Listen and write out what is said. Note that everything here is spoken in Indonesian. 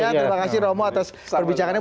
terima kasih romo atas perbincangannya